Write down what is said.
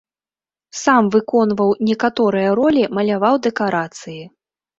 Сам выконваў некаторыя ролі, маляваў дэкарацыі.